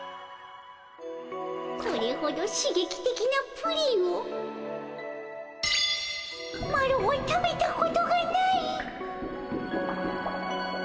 これほどしげきてきなプリンをマロは食べたことがない。